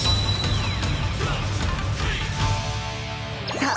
さあ